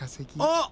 あっ！